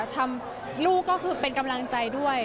ทำลูกก็คือเป็นกำลังใจด้วย